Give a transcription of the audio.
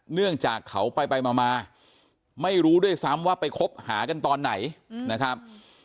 เนื่องจากเขาไปมาไม่รู้ด้วยซ้ำว่าไปคบหากันตอนไหนนะครับ